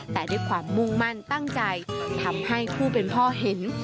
แต่ด้วยความมุ่งมั่นตั้งใจทำให้ผู้เป็นพ่อเห็น